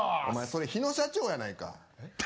お前それ日野社長やないか。